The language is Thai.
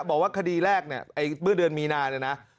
บอกว่าคดีแรกเนี่ยเมื่อเดือนมีนาเนี่ยนะ